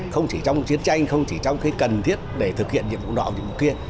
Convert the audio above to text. không chỉ trong chiến tranh không chỉ trong cái cần thiết để thực hiện những vụ nọ những vụ kia